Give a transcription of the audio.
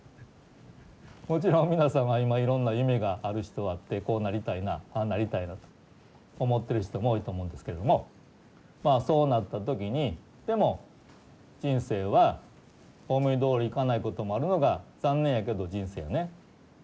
もちろん皆様は今いろんな夢がある人はあってこうなりたいなああなりたいなと思ってる人も多いと思うんですけれどもまあそうなった時にでも人生は思いどおりいかないこともあるのが残念やけど人生やね。